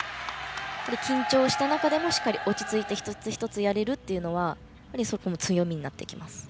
緊張した中でもしっかり落ち着いて一つ一つやれるのはそこも強みになってきます。